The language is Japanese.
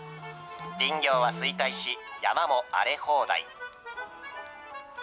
林業は衰退し、山も荒れ放題。